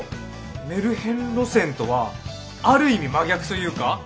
メルヘン路線とはある意味真逆というか。